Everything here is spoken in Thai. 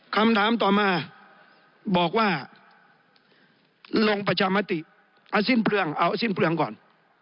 คำถามต่อมาบอกว่าลงประชามติเอาสิ้นเปลืองเอาสิ้นเปลืองก่อน